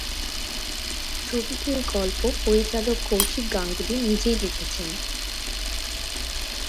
ছবিটির গল্প পরিচালক কৌশিক গাঙ্গুলি নিজেই লিখেছেন।